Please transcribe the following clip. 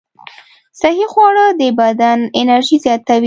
صحي خواړه د بدن انرژي زیاتوي.